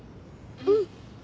うん。